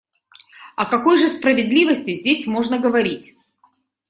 О какой же справедливости здесь можно говорить?